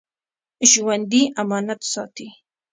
ژوندي امانت ساتي